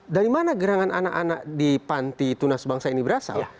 dari mana gerangan anak anak di panti tunas bangsa ini berasal